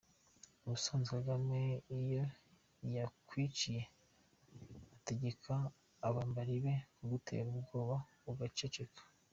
Ubusanzwe Kagame iyo yakwiciye ategeka abambari be kugutera ubwoba ugaceceka.